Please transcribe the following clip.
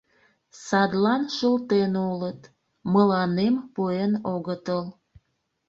Садлан шылтен улыт, мыланем пуэн огытыл.